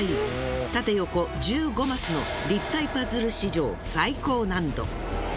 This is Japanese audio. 縦横１５マスの立体パズル史上最高難度。